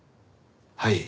はい。